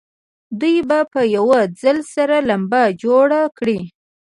دوی به په یوه ځل سره لمبه جوړه کړي.